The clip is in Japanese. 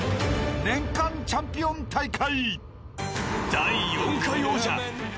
年間チャンピオン大会］